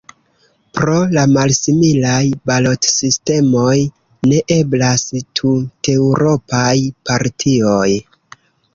Pro la malsimilaj balotsistemoj, ne eblas tuteŭropaj partioj.